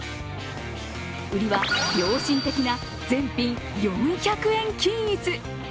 売りは、良心的な全品４００円均一。